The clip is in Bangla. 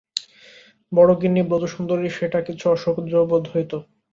বড়োগিন্নি ব্রজসুন্দরীর সেটা কিছু অসহ্য বোধ হইত।